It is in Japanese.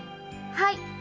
はい。